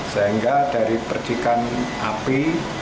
sehingga dari percikan api